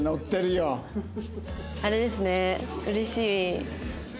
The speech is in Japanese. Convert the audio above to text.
あれですね嬉しい。